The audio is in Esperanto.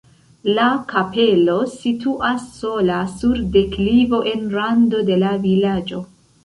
La kapelo situas sola sur deklivo en rando de la vilaĝo.